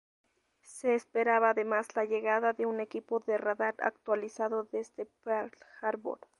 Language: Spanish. Se esperaba además la llegada de un equipo de radar actualizado desde Pearl Harbor.